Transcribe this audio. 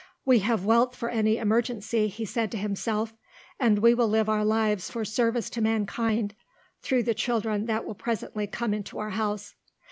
"We have wealth for any emergency," he said to himself, "and we will live our lives for service to mankind through the children that will presently come into our house."